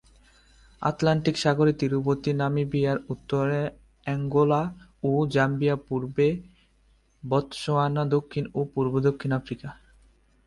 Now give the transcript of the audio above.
Atlantic সাগরের তীরবর্তী নামিবিয়ার উত্তরে অ্যাঙ্গোলা ও জাম্বিয়া পূর্বে বতসোয়ানা দক্ষিণ ও পূর্বে দক্ষিণ আফ্রিকা।